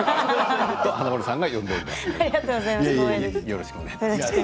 よろしくお願いします。